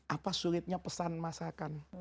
apa sulitnya pesan masakan